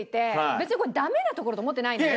別にこれダメなところと思ってないので。